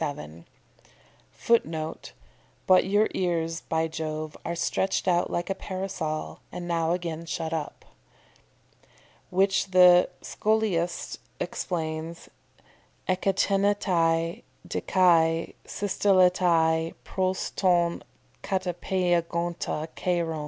[Footnote: "But your ears, by Jove, are stretched out like a parasol, and now again shut up."] Which the Scholiast explains, _ekteinetai de kai systelletai pros ton katepeigonta kairon.